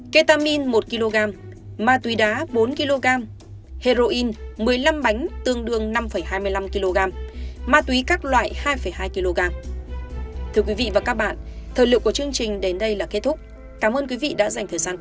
ketamin một kg ma túy đá bốn kg heroin một mươi năm bánh tương đương năm hai mươi năm kg ma túy các loại hai hai kg